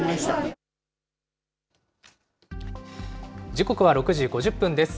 時刻は６時５０分です。